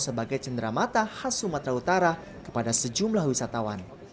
sebagai cenderamata khas sumatera utara kepada sejumlah wisatawan